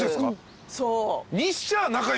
そう。